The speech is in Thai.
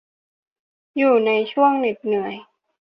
อยู่ในช่วงเหน็ดเหนื่อย